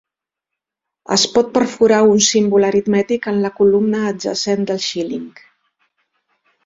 Es pot perforar un símbol aritmètic en la columna adjacent del xíling.